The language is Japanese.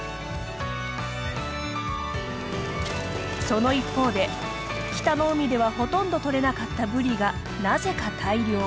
その一方で北の海ではほとんど取れなかったブリがなぜか大漁。